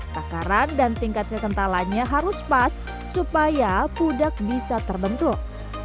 takaran dan tingkat kekentalannya harus pas supaya pudak bisa terbentuk